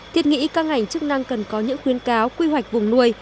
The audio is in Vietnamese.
thiết nghĩ các ngành chức năng cần có những khuyến cáo quy hoạch vùng nuôi